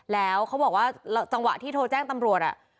แล้วเขาบอกว่าจังหวะที่โทรแจ้งตำรวจ